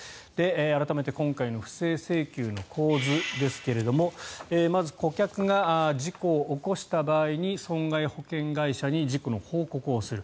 改めて今回の不正請求の構図ですがまず顧客が事故を起こした場合に損害保険会社に事故の報告をする。